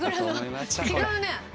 違うね。